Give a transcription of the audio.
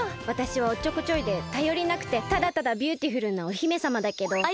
わたしはおっちょこちょいでたよりなくてただただビューティフルなお姫さまだけど。